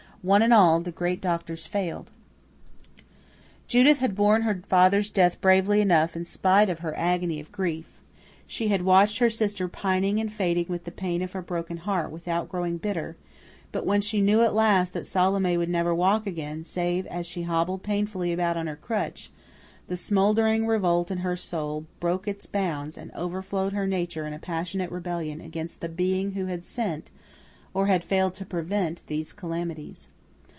One and all, the great doctors failed. Judith had borne her father's death bravely enough in spite of her agony of grief; she had watched her sister pining and fading with the pain of her broken heart without growing bitter; but when she knew at last that Salome would never walk again save as she hobbled painfully about on her crutch, the smouldering revolt in her soul broke its bounds, and overflowed her nature in a passionate rebellion against the Being who had sent, or had failed to prevent, these calamities.